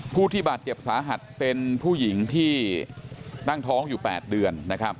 ผู้ที่บาดเจ็บสาหัสเป็นผู้หญิงที่ตั้งท้องอยู่๘เดือนนะครับ